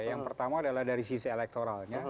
yang pertama adalah dari sisi elektoralnya